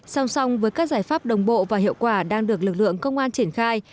song song với các giải pháp đồng bộ và hiệu quả đang được lực lượng công an triển khai